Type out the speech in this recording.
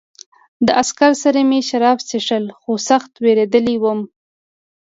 له عسکر سره مې شراب څښل خو سخت وېرېدلی وم